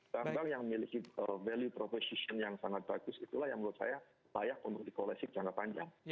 bank bank yang memiliki value proposition yang sangat bagus itulah yang menurut saya layak untuk dikoleksi jangka panjang